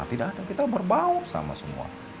tidak ada kita berbau sama semua